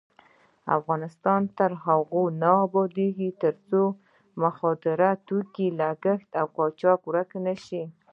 افغانستان تر هغو نه ابادیږي، ترڅو د مخدره توکو کښت او قاچاق ورک نشي.